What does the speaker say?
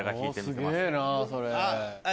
すげぇなそれ。